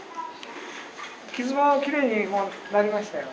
傷もきれいになりましたよ。